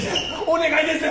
お願いです！